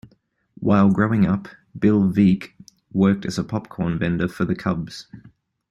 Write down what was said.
While growing up, Bill Veeck worked as a popcorn vendor for the Cubs.